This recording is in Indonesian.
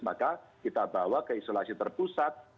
maka kita bawa ke isolasi terpusat